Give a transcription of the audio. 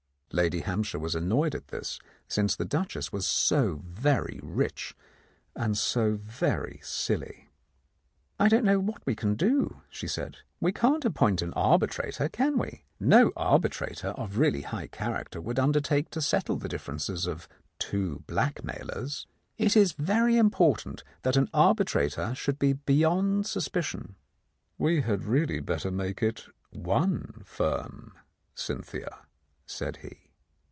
Lady Hampshire was annoyed at this, since the Duchess was so very rich and so very silly. "I don't know what we can do," she said; "we can't appoint an arbitrator, can we? No arbitrator of really high character would undertake to settle the differences of two blackmailers. It is very important that an arbitrator should be beyond suspicion." "We had really better make it one firm, Cynthia," said he.